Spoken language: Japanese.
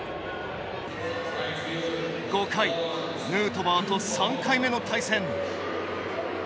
５回ヌートバーと３回目の対戦。